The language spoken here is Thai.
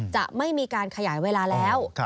จะไม่มีการขยายเวลาแล้ว